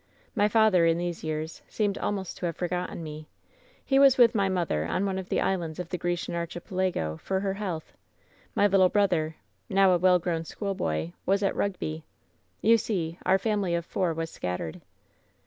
"My father in these years seemed almost to have for gotten me. He was with my mother on one of the islands of the Grecian Archipelago — for her health. My little brother — now a well grown schoolboy — ^was at * Eugby. You see, our family of four was scattered.